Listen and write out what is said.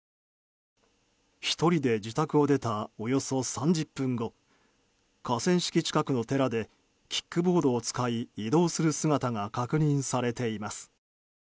１人で自宅を出たおよそ３０分後河川敷近くの寺でキックボードを使い移動する姿が確認されています。